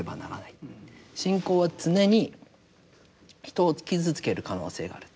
信仰は常に人を傷つける可能性がある。